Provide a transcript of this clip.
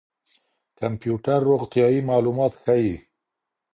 کمپيوټر روغتيايي معلومات ښيي.